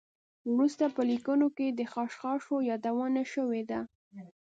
وروسته په لیکنو کې د خشخاشو یادونه شوې ده.